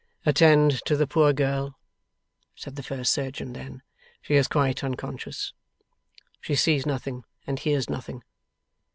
'Attend to the poor girl,' said the first surgeon then. 'She is quite unconscious. She sees nothing and hears nothing.